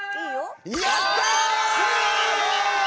やった！